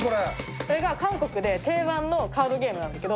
これが韓国で定番のカードゲームなんだけど。